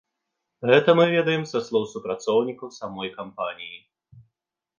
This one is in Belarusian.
Гэта мы ведаем са слоў супрацоўнікаў самой кампаніі.